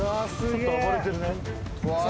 ちょっと暴れてるね。